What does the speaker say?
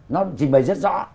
nó trình bày rất rõ